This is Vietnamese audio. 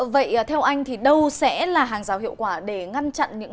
vậy theo anh thì đâu sẽ là hàng rào hiệu quả để ngăn chặn những